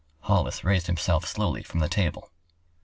Hollis raised himself slowly from the table.